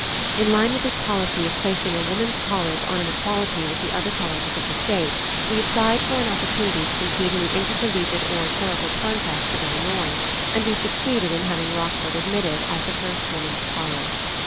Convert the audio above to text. In line with this policy of placing a woman's college on an equality with the other colleges of the state, we applied for an opportunity to compete in the intercollegiate oratorical contest of Illinois, and we succeeded in having Rockford admitted as the first woman's college.